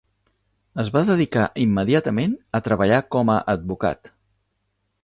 Es va dedicar immediatament a treballar com a advocat.